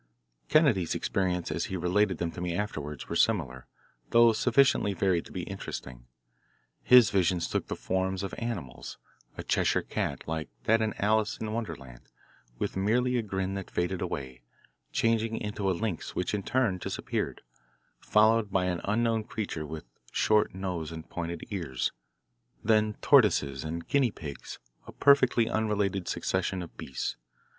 Kennedy's experiences as he related them to me afterwards were similar, though sufficiently varied to be interesting. His visions took the forms of animals a Cheshire cat, like that in "Alice in Wonderland," with merely a grin that faded away, changing into a lynx which in turn disappeared, followed by an unknown creature with short nose and pointed ears, then tortoises and guinea pigs, a perfectly unrelated succession of beasts.